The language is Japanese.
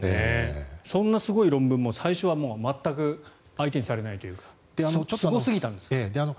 そんなすごい論文も最初は全く相手にされないというかすごすぎたんですか。